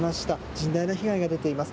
甚大な被害が出ています。